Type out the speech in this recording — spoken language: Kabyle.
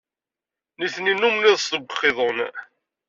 Nitni nnummen iḍes deg uqiḍun.